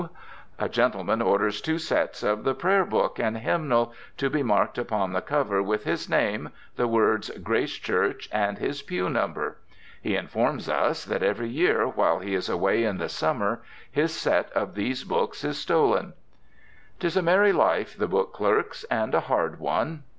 A gentleman orders two sets of the Prayer Book and Hymnal, to be marked upon the cover with his name, the words Grace Church and his pew number. He informs us that every year while he is away in the summer his set of these books is stolen. 'Tis a merry life, the book clerk's, and a hard one.